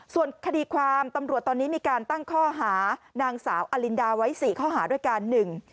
ส่วนคดีความตำรวจตอนนี้มีการตั้งข้อหานางสาวอลินดาไว้สี่ข้อหาด้วยกันหนึ่ง